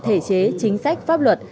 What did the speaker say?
thể chế chính sách pháp luật